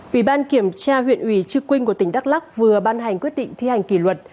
ủy ban kiểm tra huyện ủy trư quynh của tỉnh đắk lắc vừa ban hành quyết định thi hành kỷ luật